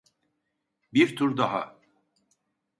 Bir tur daha.